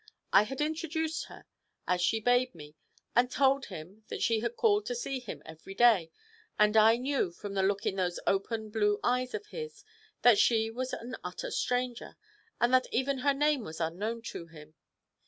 I had introduced her, as she bade me, and told him that she had called to see him every day, and I knew, from the look in those open blue eyes of his, that she was an utter stranger, and that even her name was unknown to him.